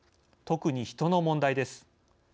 特に人の問題です。